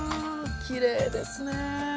きれいですね。